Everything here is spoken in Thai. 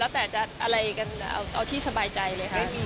แล้วแต่ผมจะเอาที่สบายใจเลยค่ะ